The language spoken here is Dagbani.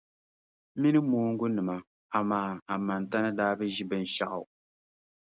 Mini mooŋgunima amaa Amantani daa bi ʒi binshɛɣu.